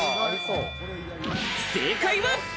正解は。